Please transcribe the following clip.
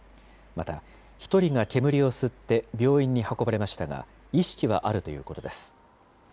また、１人が煙を吸って病院に運ばれましたが、意識はあるということです。